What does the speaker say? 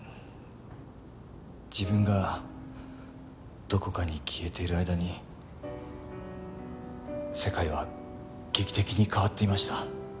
自分がどこかに消えている間に世界は劇的に変わっていました。